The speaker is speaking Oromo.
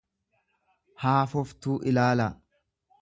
haafoftuu ilaalaa.